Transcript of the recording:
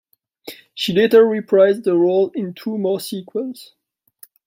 She later reprised the role in two more sequels.